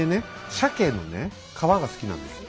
シャケの皮が好きなんですよ。